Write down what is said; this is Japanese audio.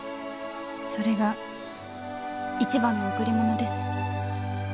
それが一番の贈り物です。